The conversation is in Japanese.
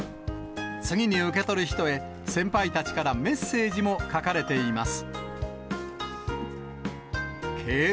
次に受け取る人へ、先輩たちからメッセージも書かれています。